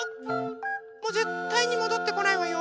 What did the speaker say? もうぜったいにもどってこないわよ。